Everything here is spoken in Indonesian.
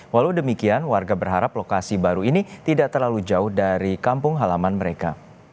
walau demikian warga berharap lokasi baru ini tidak terlalu jauh dari kampung halaman mereka